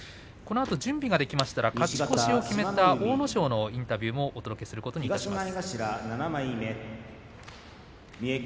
準備ができましたら勝ち越しを決めた阿武咲のインタビューもお届けすることにします。